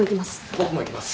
僕も行きます。